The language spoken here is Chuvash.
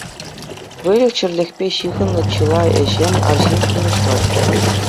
Выльӑх-чӗрлӗхпе ҫыхӑннӑ чылай ӗҫе арҫын пурнӑҫлать.